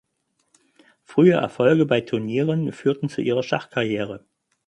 Frühe Erfolge bei Turnieren führten zu ihrer Schachkarriere.